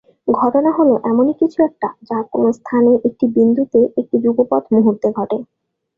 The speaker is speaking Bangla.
ঘটনা হল এমনই কিছু একটা যা কোন স্থানে একটি বিন্দুতে একটি যুগপৎ মুহূর্তে ঘটে।